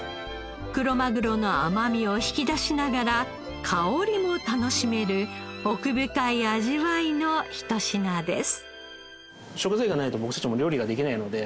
クロマグロの甘みを引き出しながら香りも楽しめる奥深い味わいのひと品です。